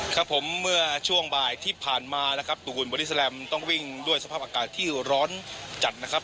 ครับผมเมื่อช่วงบ่ายที่ผ่านมานะครับตูนบอดี้แลมต้องวิ่งด้วยสภาพอากาศที่ร้อนจัดนะครับ